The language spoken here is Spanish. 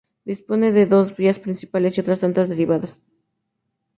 Dispone de dos vías principales y otras tantas derivadas.